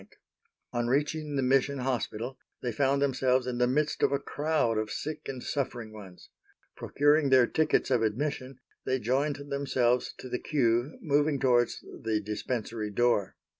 On reaching the Mission Hospital they found themselves in the midst of a crowd of sick and suffering ones. Procuring their tickets of admission they joined themselves to the queue moving towards the Dispensary door.